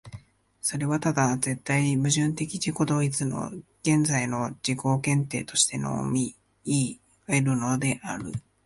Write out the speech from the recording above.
それはただ絶対矛盾的自己同一の現在の自己限定としてのみいい得るのである。